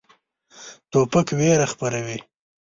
توپک ویره خپروي.